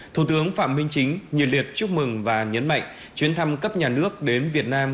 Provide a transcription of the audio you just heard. thủ tướng phạm minh chính nhiệt liệt chúc mừng và nhấn mạnh chuyến thăm cấp nhà nước đến việt nam